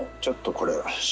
これ。